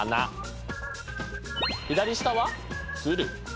左下は「つる」。